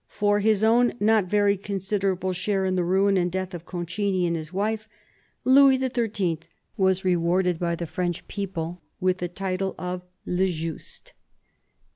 For his own not very considerable share in the ruin and death of Concini and his wife, Louis XIII. was rewarded by the French people with the title of " Le Juste."